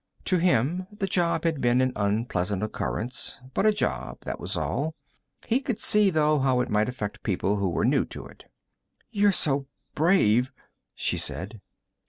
To him, the job had been an unpleasant occurrence, but a job, that was all. He could see, though, how it might affect people who were new to it. "You're so brave," she said.